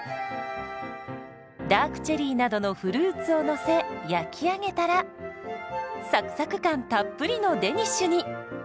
ダークチェリーなどのフルーツをのせ焼き上げたらサクサク感たっぷりのデニッシュに。